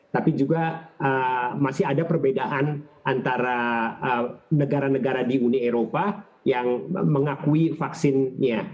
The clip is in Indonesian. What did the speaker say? tapi juga masih ada perbedaan antara negara negara di uni eropa yang mengakui vaksinnya